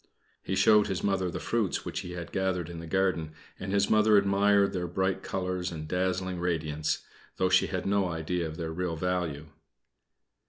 He showed his Mother the fruits which he had gathered in the garden, and his Mother admired their bright colors and dazzling radiance, though she had no idea of their real value.